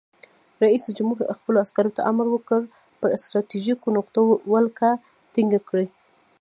رئیس جمهور خپلو عسکرو ته امر وکړ؛ پر ستراتیژیکو نقطو ولکه ټینګه کړئ!